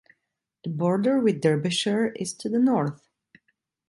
The border with Derbyshire is to the north.